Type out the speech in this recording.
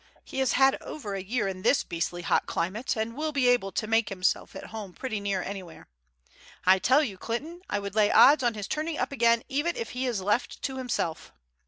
He has had over a year in this beastly hot climate, and will be able to make himself at home pretty near anywhere. I tell you, Clinton, I would lay odds on his turning up again even if he is left to himself.